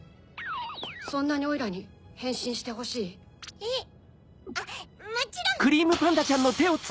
そんなにオイラにへんしんしてほしい？えあっもちろん！